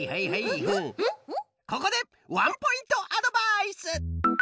ここでワンポイントアドバイス！